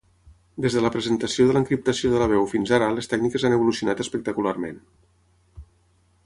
Des de la presentació de l'encriptació de la veu fins ara les tècniques han evolucionat espectacularment.